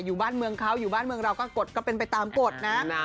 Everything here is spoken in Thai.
อยู่บ้านเมืองเขาอยู่บ้านเมืองเราก็กฎก็เป็นไปตามกฎนะ